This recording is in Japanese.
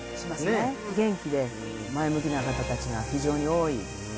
元気で前向きな方たちが非常に多いすごい。